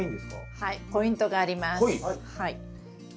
はいポイントがあります。